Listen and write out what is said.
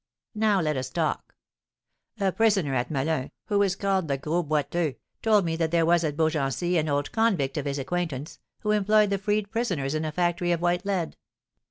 Now let us talk. A prisoner at Melun, who is called the Gros Boiteux, told me that there was at Beaugency an old convict of his acquaintance, who employed the freed prisoners in a factory of white lead.